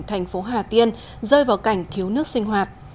thành phố hà tiên rơi vào cảnh thiếu nước sinh hoạt